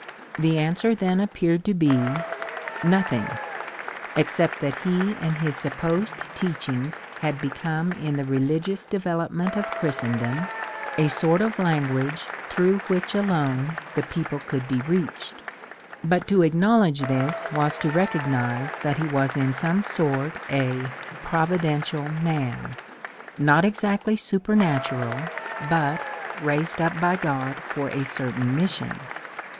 The answer then appeared to be — nothing, except that he and his supposed teachings had become in the religious developement of Christendom a sort of language THEISM AND UNREST 61 through which alone the people could be reached* But to acknowledge this was to recognize that he was in some sort a ^^ providential man, "— not exactly supernatural, but raised up by God for a certain ^^ mission."